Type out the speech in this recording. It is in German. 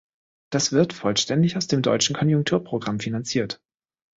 Das wird vollständig aus dem deutschen Konjunkturprogramm finanziert.